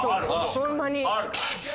ホンマに。